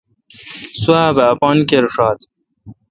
سوا با اپان کر شات۔